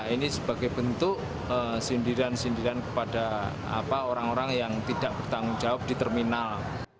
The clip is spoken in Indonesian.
ini sebagai bentuk sindiran sindiran kepada orang orang yang tidak bertanggung jawab di terminal